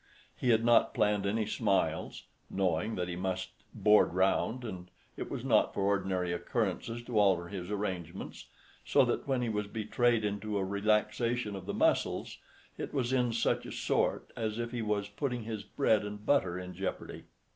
He had not planned any smiles (knowing that he must "board round"), and it was not for ordinary occurrences to alter his arrangements; so that when he was betrayed into a relaxation of the muscles, it was "in such a sort" as if he was putting his bread and butter in jeopardy.